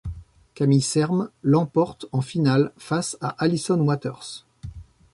Camille Serme l'emporte en finale face à Alison Waters.